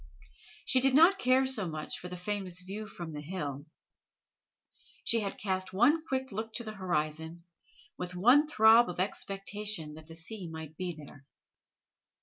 She did not care so much for the famous view from the hill. She had cast one quick look to the horizon, with one throb of expectation that the sea might be there.